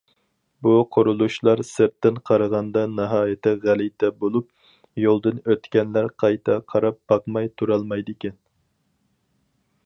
بۇ قۇرۇلۇشلار سىرتتىن قارىغاندا ناھايىتى غەلىتە بولۇپ، يولدىن ئۆتكەنلەر قايتا قاراپ باقماي تۇرالمايدىكەن.